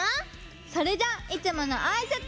それじゃあいつものあいさつ！